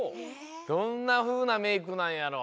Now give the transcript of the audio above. どんなふうなメークなんやろ。